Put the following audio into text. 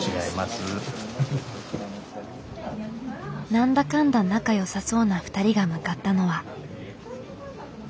何だかんだ仲良さそうな２人が向かったのは。